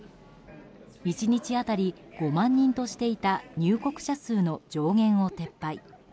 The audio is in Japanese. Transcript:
１日当たり５万人としていた入国者数の上限を撤廃。